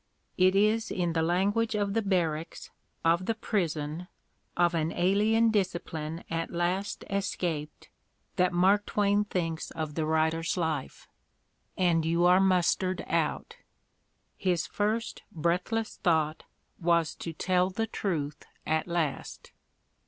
It is in the language of the barracks, of the prison, of an alien discipline at last escaped that Mark Twain thinks of the writer's life. "And you are mustered out." His first breathless thought was to "tell the truth" at last.